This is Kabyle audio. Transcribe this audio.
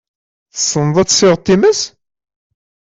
Tessneḍ ad tessiɣeḍ times?